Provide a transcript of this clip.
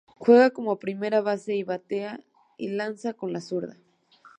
Juega como primera base y batea y lanza con la zurda.